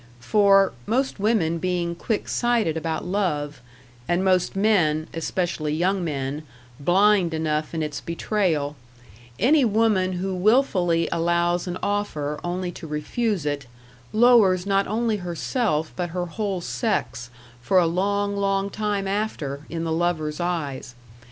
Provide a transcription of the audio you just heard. For, most women being quick sighted about love, and most men especially young men blind enough in its betrayal, any woman who wilfully allows an offer only to refuse it, lowers not only herself but her whole sex, for a long, long time after, in the lover's eyes.